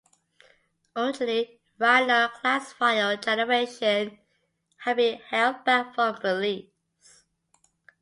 Originally Rhino classfile generation had been held back from release.